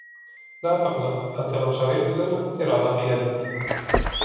لا تقلق! حتى لو شَرِبت, لن يؤثرعلى قيادتي.